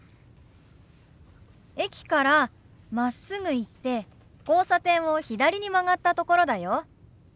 駅からまっすぐ行って交差点を左に曲がったところだよ。